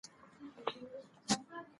د نور سره د لیدني پر مهال مسکی واوسئ.